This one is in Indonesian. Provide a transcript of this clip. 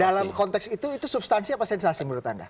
dalam konteks itu itu substansi apa sensasi menurut anda